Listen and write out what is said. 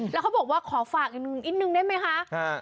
แล้วเขาบอกว่าขอฝากอีกหนึ่งอีกหนึ่งได้ไหมค่ะค่ะ